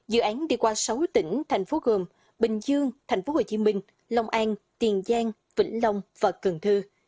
dự án đi qua sáu tỉnh thành phố gồm bình dương tp hcm long an tiền giang vĩnh long và cần thơ